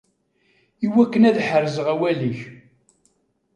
Iwakken ad ḥerzeɣ awal-ik.